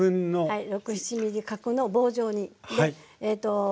はい。